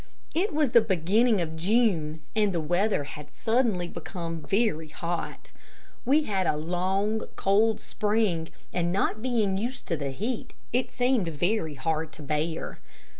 It was the beginning of June and the weather had suddenly become very hot. We had a long, cold spring, and not being used to the heat, it seemed very hard to bear.